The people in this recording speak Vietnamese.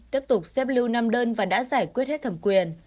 tiếp tục xếp lưu năm đơn và đã giải quyết hết thẩm quyền